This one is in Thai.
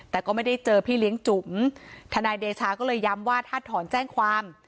แต่ก็ไม่ได้เจอพี่เลี้ยงจุ๋มทนายเดชาก็เลยย้ำว่าถ้าถอนแจ้งความ